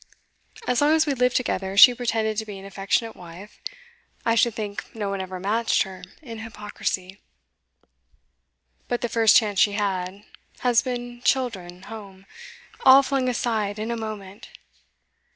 As long as we lived together, she pretended to be an affectionate wife; I should think no one ever matched her in hypocrisy. But the first chance she had husband, children, home, all flung aside in a moment.